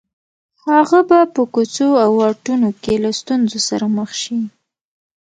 هغه به په کوڅو او واټونو کې له ستونزو سره مخ شي